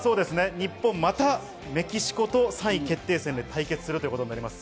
日本、またメキシコと３位決定戦で対決するということになります。